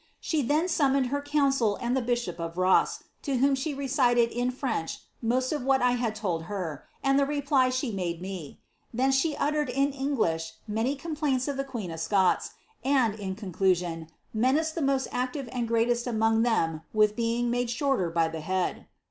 She then sum her council and the bishop of Ross, to whom she recited in most o( what I had told her, and the reply she made me. Then red in English many complaints of tlie queen of Scots ; and, in on, menaced the most active and greatest among them with ade shorter by the head."